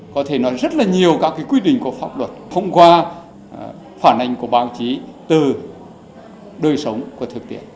có thể nói rất là nhiều các quy định của pháp luật thông qua phản ảnh của báo chí từ đời sống của thực tiễn